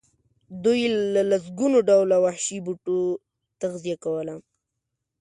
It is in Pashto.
دوی له لسګونو ډوله وحشي بوټو تغذیه کوله.